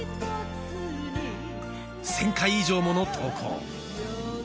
１，０００回以上もの投稿。